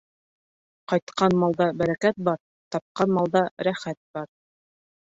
Ҡайтҡан малда бәрәкәт бар, тапҡан малда рәхәт бар.